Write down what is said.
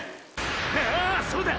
ああそうだ！